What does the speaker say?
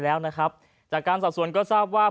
แล้วนะครับจากการสอบสวนก็ทราบว่า